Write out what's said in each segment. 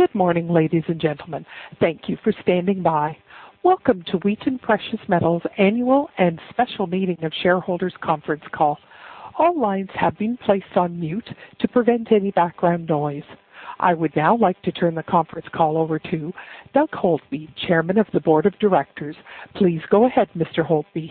Good morning, ladies and gentlemen. Thank you for standing by. Welcome to Wheaton Precious Metals' Annual and Special Meeting of Shareholders conference call. All lines have been placed on mute to prevent any background noise. I would now like to turn the conference call over to Doug Holtby, Chairman of the Board of Directors. Please go ahead, Mr. Holtby.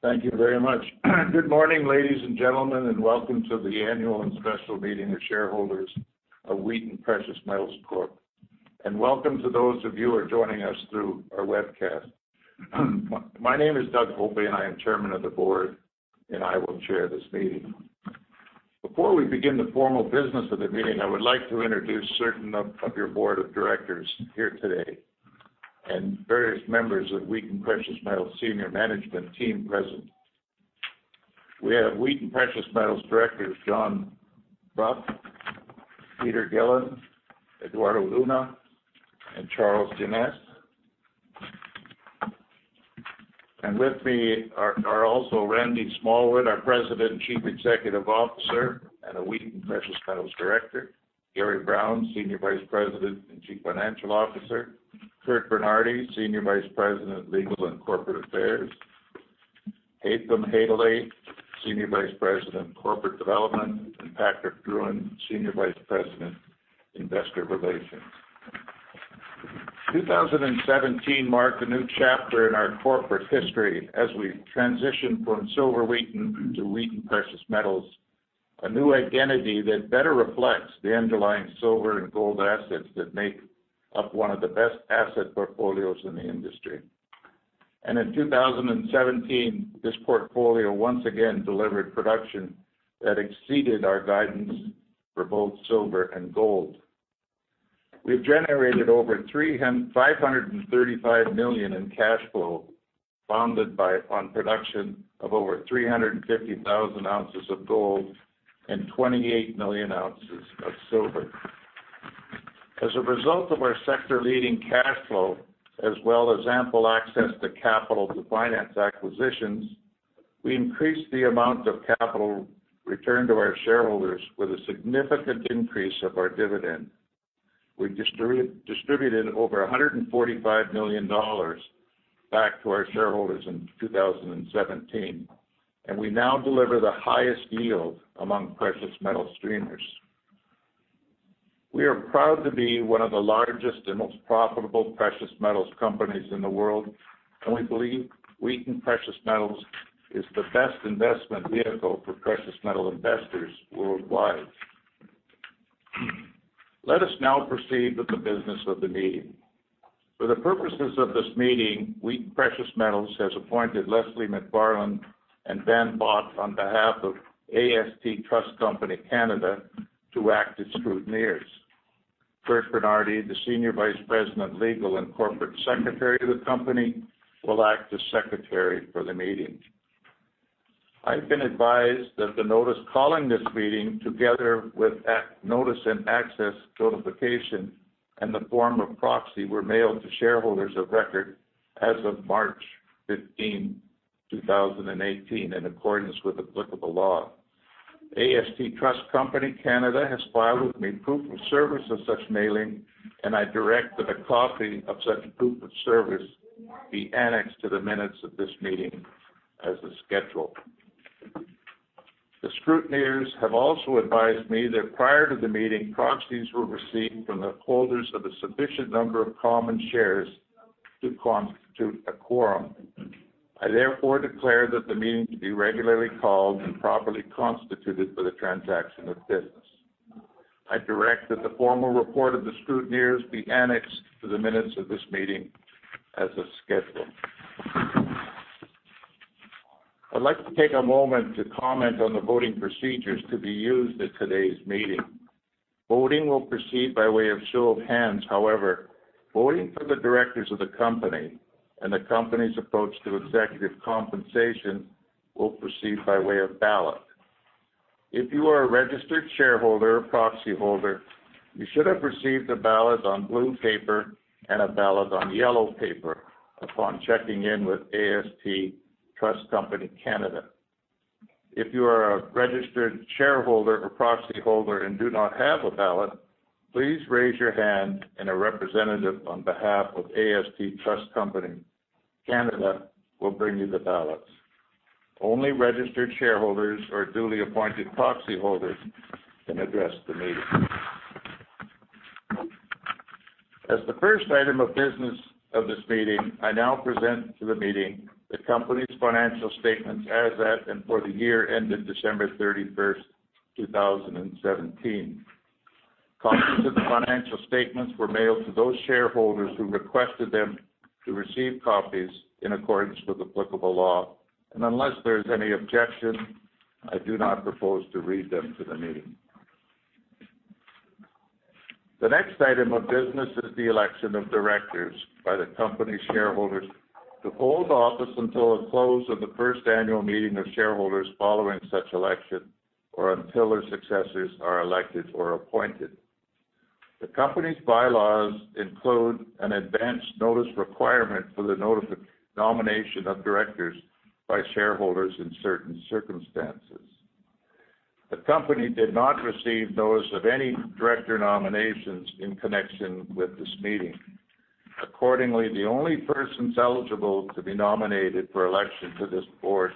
Thank you very much. Good morning, ladies and gentlemen, and welcome to the Annual and Special Meeting of Shareholders of Wheaton Precious Metals Corp. Welcome to those of you who are joining us through our webcast. My name is Doug Holtby, and I am Chairman of the Board, I will chair this meeting. Before we begin the formal business of the meeting, I would like to introduce certain of your Board of Directors here today, and various members of Wheaton Precious Metals' senior management team present. We have Wheaton Precious Metals Directors, John Brough, Peter Gillin, Eduardo Luna, and Charles Genest. With me are also Randy Smallwood, our President and Chief Executive Officer, and a Wheaton Precious Metals Director, Gary Brown, Senior Vice President and Chief Financial Officer, Curt Bernardi, Senior Vice President, Legal and Corporate Affairs, Haytham Hodaly, Senior Vice President, Corporate Development, and Patrick Drouin, Senior Vice President, Investor Relations. 2017 marked a new chapter in our corporate history as we transitioned from Silver Wheaton to Wheaton Precious Metals, a new identity that better reflects the underlying silver and gold assets that make up one of the best asset portfolios in the industry. In 2017, this portfolio once again delivered production that exceeded our guidance for both silver and gold. We've generated over $535 million in cash flow, founded on production of over 350,000 ounces of gold and 28 million ounces of silver. As a result of our sector-leading cash flow, as well as ample access to capital to finance acquisitions, we increased the amount of capital returned to our shareholders with a significant increase of our dividend. We distributed over $145 million back to our shareholders in 2017, we now deliver the highest yield among precious metal streamers. We are proud to be one of the largest and most profitable precious metals companies in the world, we believe Wheaton Precious Metals is the best investment vehicle for precious metal investors worldwide. Let us now proceed with the business of the meeting. For the purposes of this meeting, Wheaton Precious Metals has appointed Leslie MacFarlane and Ben Bott on behalf of AST Trust Company Canada to act as scrutineers. Curt Bernardi, the Senior Vice President, Legal, and Corporate Secretary of the company, will act as Secretary for the meeting. I've been advised that the notice calling this meeting, together with notice and access notification and the form of proxy, were mailed to shareholders of record as of March 15, 2018, in accordance with applicable law. AST Trust Company Canada has filed with me proof of service of such mailing, and I direct that a copy of such proof of service be annexed to the minutes of this meeting as a schedule. The scrutineers have also advised me that prior to the meeting, proxies were received from the holders of a sufficient number of common shares to constitute a quorum. I therefore declare that the meeting to be regularly called and properly constituted for the transaction of business. I direct that the formal report of the scrutineers be annexed to the minutes of this meeting as a schedule. I'd like to take a moment to comment on the voting procedures to be used at today's meeting. Voting will proceed by way of show of hands. However, voting for the directors of the company and the company's approach to executive compensation will proceed by way of ballot. If you are a registered shareholder or proxy holder, you should have received a ballot on blue paper and a ballot on yellow paper upon checking in with AST Trust Company Canada. If you are a registered shareholder or proxy holder and do not have a ballot, please raise your hand and a representative on behalf of AST Trust Company Canada will bring you the ballots. Only registered shareholders or duly appointed proxy holders can address the meeting. As the first item of business of this meeting, I now present to the meeting the company's financial statements as at and for the year ended December 31st, 2017. Copies of the financial statements were mailed to those shareholders who requested them to receive copies in accordance with applicable law. Unless there's any objection, I do not propose to read them to the meeting. The next item of business is the election of directors by the company shareholders to hold office until the close of the first annual meeting of shareholders following such election or until their successors are elected or appointed. The company's bylaws include an advance notice requirement for the nomination of directors by shareholders in certain circumstances. The company did not receive notice of any director nominations in connection with this meeting. Accordingly, the only persons eligible to be nominated for election to this board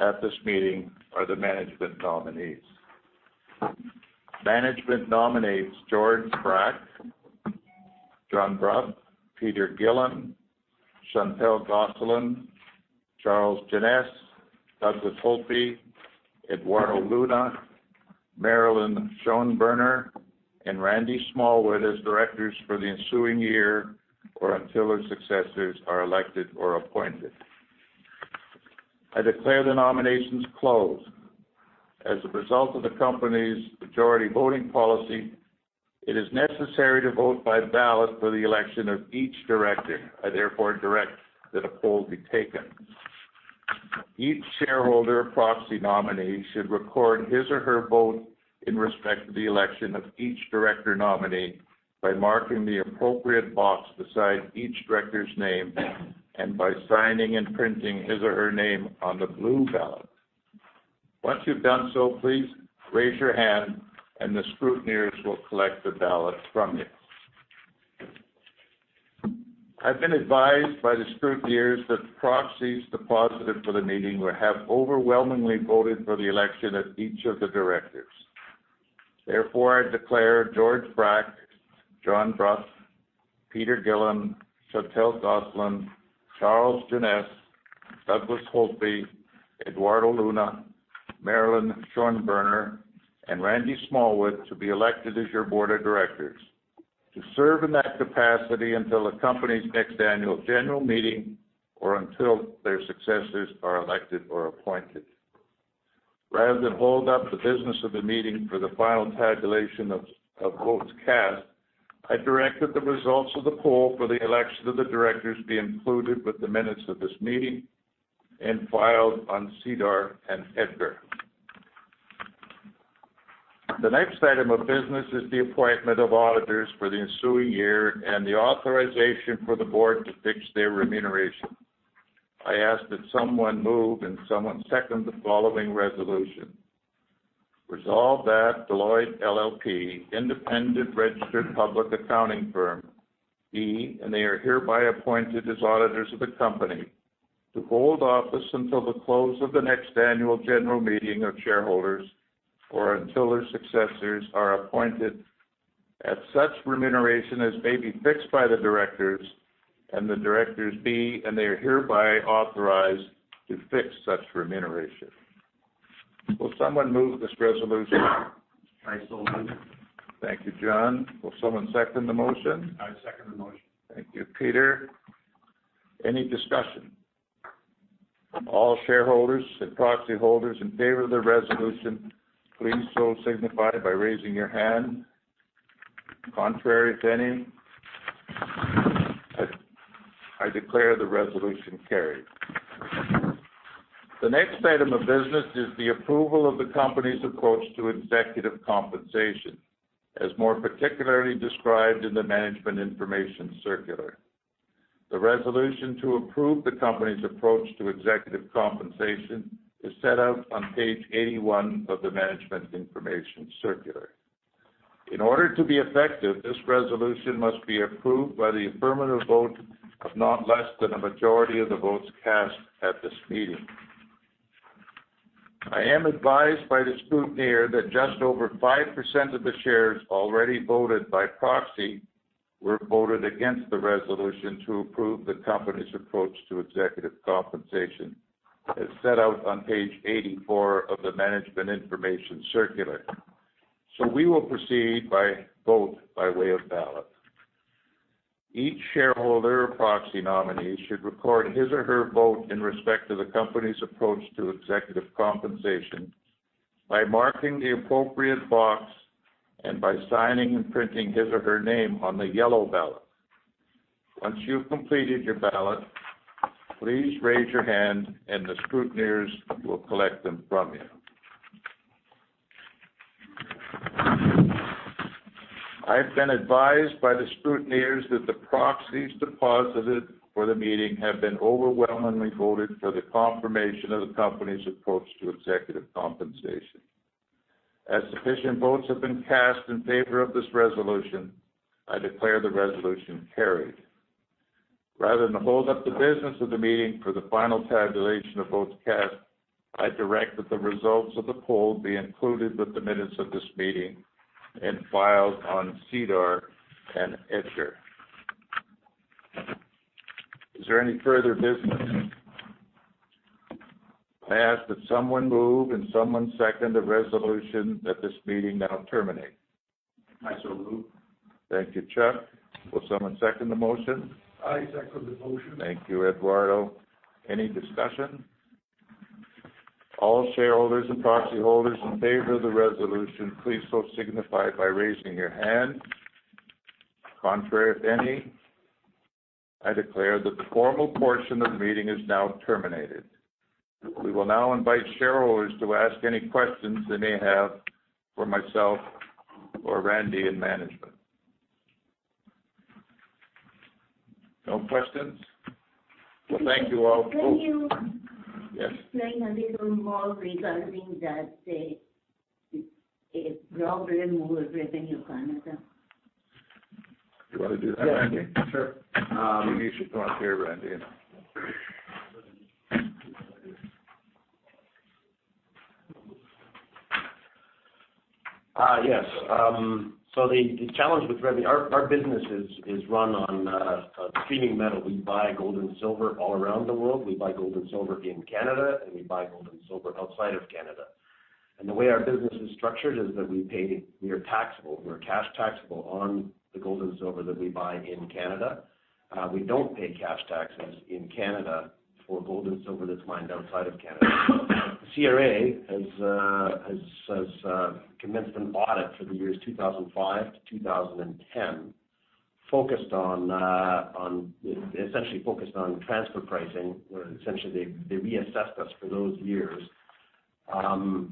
at this meeting are the management nominees. Management nominates George Brack, John Brough, Peter Gillin, Chantal Gosselin, Charles Genest, Douglas Holtby, Eduardo Luna, Marilyn Schonberner, and Randy Smallwood as directors for the ensuing year or until their successors are elected or appointed. I declare the nominations closed. As a result of the company's majority voting policy, it is necessary to vote by ballot for the election of each director. I therefore direct that a poll be taken. Each shareholder or proxy nominee should record his or her vote in respect to the election of each director nominee by marking the appropriate box beside each director's name and by signing and printing his or her name on the blue ballot. Once you've done so, please raise your hand and the scrutineers will collect the ballot from you. I've been advised by the scrutineers that the proxies deposited for the meeting have overwhelmingly voted for the election of each of the directors. Therefore, I declare George Brack, John Brough, Peter Gillin, Chantal Gosselin, Charles Genest, Douglas Holtby, Eduardo Luna, Marilyn Schonberner, and Randy Smallwood to be elected as your board of directors to serve in that capacity until the company's next annual general meeting or until their successors are elected or appointed. Rather than hold up the business of the meeting for the final tabulation of votes cast, I direct that the results of the poll for the election of the directors be included with the minutes of this meeting and filed on SEDAR and EDGAR. The next item of business is the appointment of auditors for the ensuing year and the authorization for the board to fix their remuneration. I ask that someone move and someone second the following resolution. Resolve that Deloitte LLP, independent registered public accounting firm be, and they are hereby appointed as auditors of the company to hold office until the close of the next annual general meeting of shareholders or until their successors are appointed at such remuneration as may be fixed by the directors and the directors be, and they are hereby authorized to fix such remuneration. Will someone move this resolution? I so move. Thank you, John. Will someone second the motion? I second the motion. Thank you, Peter. Any discussion? All shareholders and proxy holders in favor of the resolution, please so signify by raising your hand. Contrary if any? I declare the resolution carried. The next item of business is the approval of the company's approach to executive compensation, as more particularly described in the management information circular. The resolution to approve the company's approach to executive compensation is set out on page 81 of the management information circular. In order to be effective, this resolution must be approved by the affirmative vote of not less than a majority of the votes cast at this meeting. I am advised by the scrutineer that just over 5% of the shares already voted by proxy were voted against the resolution to approve the company's approach to executive compensation, as set out on page 84 of the management information circular. We will proceed by vote by way of ballot. Each shareholder or proxy nominee should record his or her vote in respect to the company's approach to executive compensation by marking the appropriate box and by signing and printing his or her name on the yellow ballot. Once you've completed your ballot, please raise your hand and the scrutineers will collect them from you. I've been advised by the scrutineers that the proxies deposited for the meeting have been overwhelmingly voted for the confirmation of the company's approach to executive compensation. As sufficient votes have been cast in favor of this resolution, I declare the resolution carried. Rather than hold up the business of the meeting for the final tabulation of votes cast, I direct that the results of the poll be included with the minutes of this meeting and filed on SEDAR and EDGAR. Is there any further business? I ask that someone move and someone second the resolution that this meeting now terminate. I so move. Thank you, Chuck. Will someone second the motion? I second the motion. Thank you, Eduardo. Any discussion? All shareholders and proxy holders in favor of the resolution, please so signify it by raising your hand. Contrary if any? I declare that the formal portion of the meeting is now terminated. We will now invite shareholders to ask any questions they may have for myself or Randy and management. No questions? Well, thank you all for- Can you- Yes. explain a little more regarding that problem with Revenue Canada? You want to do that, Randy? Sure. Maybe you should come up here, Randy. Yes. The challenge with Our business is run on streaming metal. We buy gold and silver all around the world. We buy gold and silver in Canada, and we buy gold and silver outside of Canada. The way our business is structured is that we are taxable. We're cash taxable on the gold and silver that we buy in Canada. We don't pay cash taxes in Canada for gold and silver that's mined outside of Canada. CRA has commenced an audit for the years 2005 to 2010, essentially focused on transfer pricing, where essentially they reassessed us for those years. To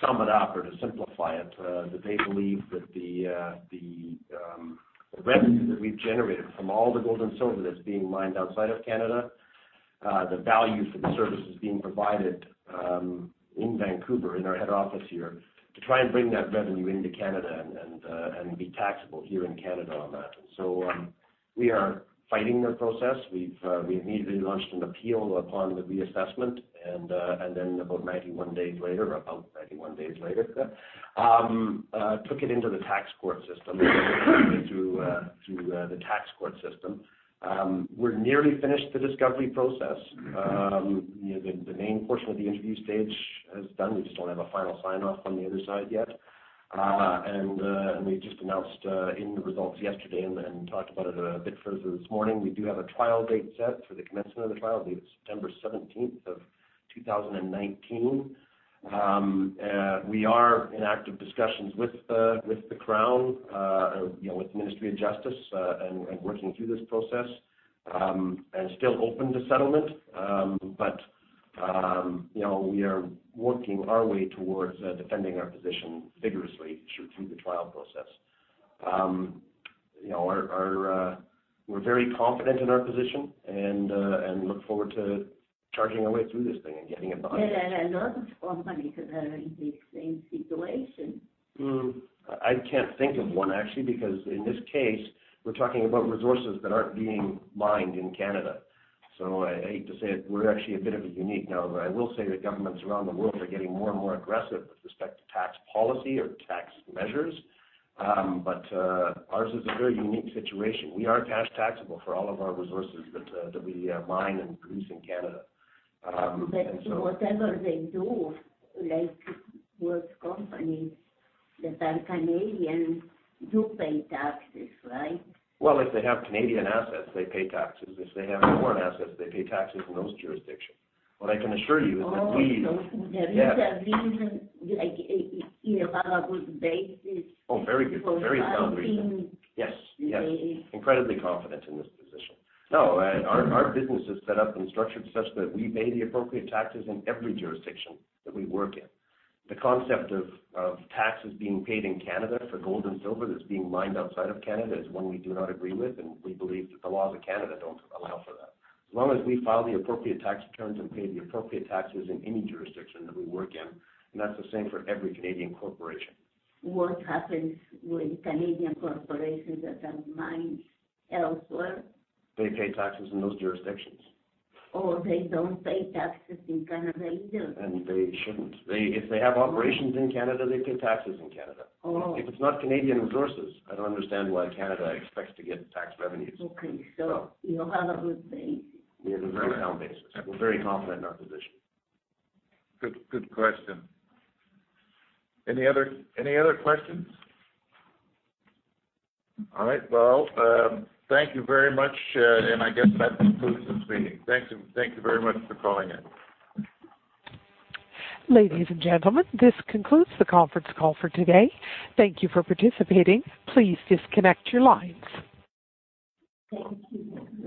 sum it up or to simplify it, that they believe that the revenue that we've generated from all the gold and silver that's being mined outside of Canada, the value for the services being provided in Vancouver, in our head office here, to try and bring that revenue into Canada and be taxable here in Canada on that. We are fighting the process. We've immediately launched an appeal upon the reassessment, and then about 91 days later, took it into the tax court system through the tax court system. We're nearly finished the discovery process. The main portion of the interview stage is done. We just don't have a final sign-off from the other side yet. We just announced in the results yesterday and talked about it a bit further this morning, we do have a trial date set for the commencement of the trial, September 17th, 2019. We are in active discussions with the Crown, with the Department of Justice, and working through this process, and still open to settlement. We are working our way towards defending our position vigorously through the trial process. We're very confident in our position and look forward to charging our way through this thing and getting it behind us. Are there other companies that are in the same situation? I can't think of one, actually, because in this case, we're talking about resources that aren't being mined in Canada. I hate to say it, we're actually a bit of a unique. No, but I will say that governments around the world are getting more and more aggressive with respect to tax policy or tax measures, but ours is a very unique situation. We are cash taxable for all of our resources that we mine and produce in Canada. Whatever they do, like most companies that are Canadian do pay taxes, right? If they have Canadian assets, they pay taxes. If they have foreign assets, they pay taxes in those jurisdictions. What I can assure you is that. There is a reason, like in a rather good basis. Very good. Very sound reason. For fighting. Yes. Incredibly confident in this position. No, our business is set up and structured such that we pay the appropriate taxes in every jurisdiction that we work in. The concept of taxes being paid in Canada for gold and silver that's being mined outside of Canada is one we do not agree with, and we believe that the laws of Canada don't allow for that. As long as we file the appropriate tax returns and pay the appropriate taxes in any jurisdiction that we work in. That's the same for every Canadian corporation. What happens with Canadian corporations that mine elsewhere? They pay taxes in those jurisdictions. They don't pay taxes in Canada either? They shouldn't. If they have operations in Canada, they pay taxes in Canada. Oh. If it's not Canadian resources, I don't understand why Canada expects to get tax revenues. Okay. You have a good base? We have a very sound basis. We're very confident in our position. Good question. Any other questions? All right, well, thank you very much, and I guess that concludes this meeting. Thank you very much for calling in. Ladies and gentlemen, this concludes the conference call for today. Thank you for participating. Please disconnect your lines. Thank you.